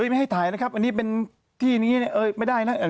ไม่ให้ถ่ายนะครับอันนี้เป็นที่นี้เนี่ยไม่ได้นะ